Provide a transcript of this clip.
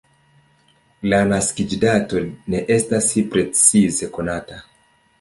La naskiĝdato ne estas precize konata.